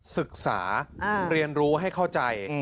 ศึกษาเรียนรู้ให้เข้าใจ